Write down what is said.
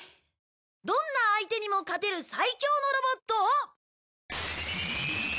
どんな相手にも勝てる最強のロボットを。